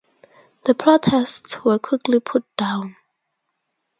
The protests were quickly put down.